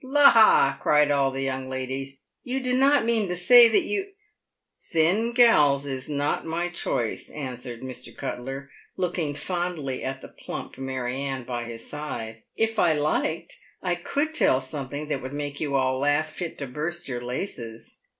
"La !" cried all the young ladies, " you do not mean to say that you "" Thin gals is not my choice," answered Mr. Cuttler, looking fondly at the plump Mary Anne by his side. " If I liked, I could tell some thing that would make you all laugh fit to burst your laces."